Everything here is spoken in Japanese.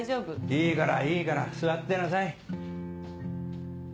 いいからいいから座ってなさい。